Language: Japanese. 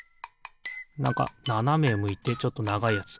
なんかななめむいてちょっとながいやつ。